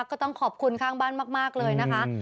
ก็ต้องขอบคุณข้างบ้านมากเลยนะคะ